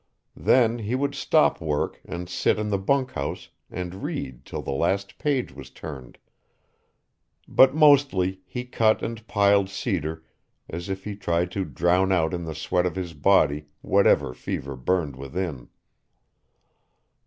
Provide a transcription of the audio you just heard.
Then he would stop work and sit in the bunk house and read till the last page was turned. But mostly he cut and piled cedar as if he tried to drown out in the sweat of his body whatever fever burned within.